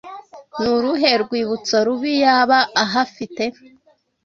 Ni uruhe rwibutso rubi yaba ahafite?